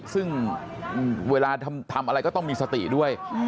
ซึ่งเวลาทำอะไรก็ต้องมีสติด้วย